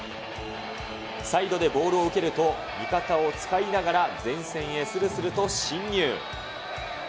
サイドでボールを受けると、味方を使いながら前線へするすると進入。